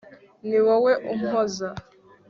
ni wowe umpoza